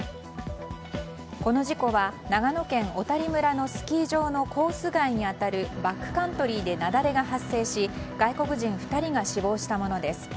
この事故は、長野県小谷村のスキー場のコース外に当たるバックカントリーで雪崩が発生し外国人２人が死亡したものです。